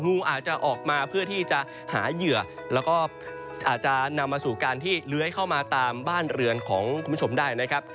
งูอาจจะออกมาเพื่อที่จะหาเหยื่อแล้วก็อาจจะนำมาสู่การที่เลื้อยเข้ามาตามบ้านเรือนของคุณผู้ชมได้นะครับ